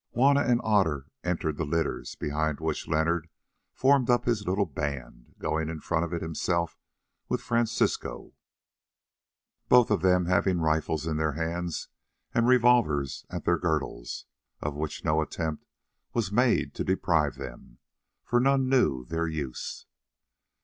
Juanna and Otter entered the litters, behind which Leonard formed up his little band, going in front of it himself with Francisco, both of them having rifles in their hands and revolvers at their girdles, of which no attempt was made to deprive them, for none knew their use.